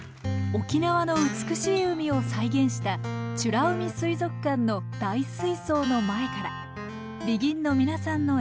沖縄の美しい海を再現した美ら海水族館の大水槽の前からＢＥＧＩＮの皆さんの演奏です。